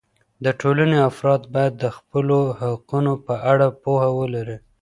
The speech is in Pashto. د ټولنې افراد باید د خپلو حقونو په اړه پوهه ولري.